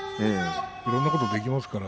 いろんなことができますから。